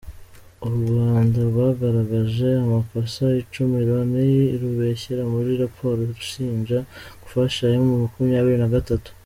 U Rwanda rwagaragaje amakosa Icumi Loni irubeshyera muri raporo irushinja gufasha M makumyabiri nagatatu